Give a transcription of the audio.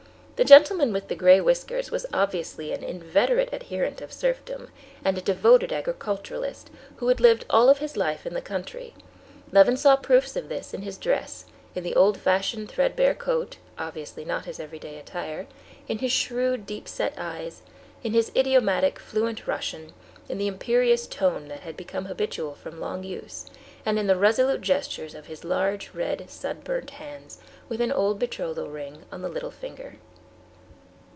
The gentleman with the gray whiskers was obviously an inveterate adherent of serfdom and a devoted agriculturist, who had lived all his life in the country. Levin saw proofs of this in his dress, in the old fashioned threadbare coat, obviously not his everyday attire, in his shrewd, deep set eyes, in his idiomatic, fluent Russian, in the imperious tone that had become habitual from long use, and in the resolute gestures of his large, red, sunburnt hands, with an old betrothal ring on the little finger.